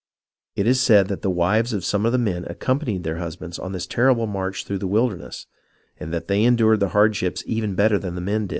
It is said that the wives of some of the men accompanied their husbands on this terrible march through the wilderness, and that they endured the hardships even better than did the men.